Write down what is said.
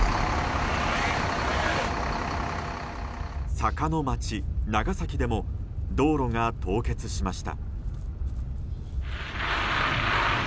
坂の街・長崎でも道路が凍結しました。